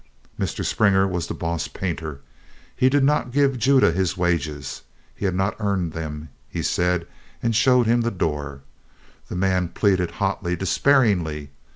Mr. Springer was the boss painter. He did not give Judah his wages. He had not earned them, he said, and showed him the door. The man pleaded hotly, despairingly.